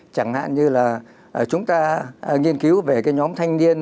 chẳng hạn như là chúng ta nghiên cứu về cái nhóm thanh niên